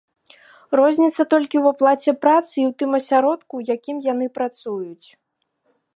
Розніца толькі ў аплаце працы і ў тым асяродку, у якім яны працуюць.